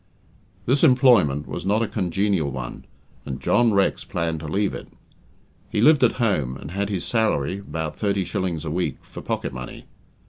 This employment was not a congenial one, and John Rex planned to leave it. He lived at home, and had his salary about thirty shillings a week for pocket money.